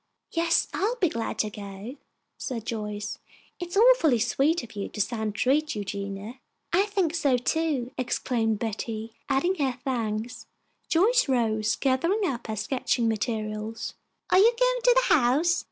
"Yes, I'll be glad to go," said Joyce. "It is awfully sweet of you to stand treat, Eugenia." "I think so, too," exclaimed Betty, adding her thanks. Joyce rose, gathering up her sketching materials. "Are you going to the house?"